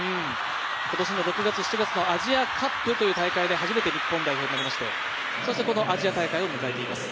今年６月、７月のアジアカップという大会で初めて日本代表になりまして、そしてこのアジア大会を迎えています。